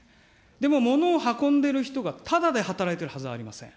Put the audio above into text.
でも物を運んでる人がただで働いているはずありません。